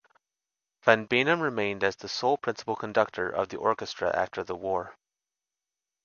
Van Beinum remained as sole principal conductor of the orchestra after the war.